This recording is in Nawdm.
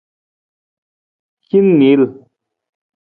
Hin niil.